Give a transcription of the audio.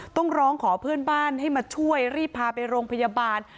ต้องร้องขอเพื่อนบ้านให้มาช่วยรีบพาไปโรงพยาบาล